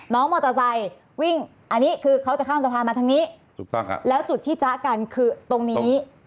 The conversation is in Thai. น้องมอเตอร์ไซค์วิ่งอันนี้คือเขาจะข้ามสะพานมาทางนี้ถูกต้องครับแล้วจุดที่จ๊ะกันคือตรงนี้